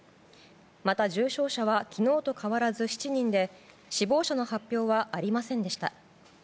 また重症者は昨日と変わらず７人で死亡者の発表はありませんでした。